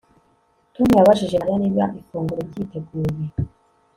Tom yabajije Mariya niba ifunguro ryiteguye